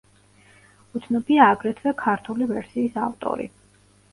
უცნობია აგრეთვე ქართული ვერსიის ავტორი.